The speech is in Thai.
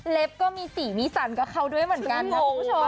ก็มีสีมีสันกับเขาด้วยเหมือนกันนะคุณผู้ชม